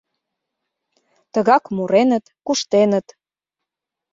Тыгак муреныт, куштеныт.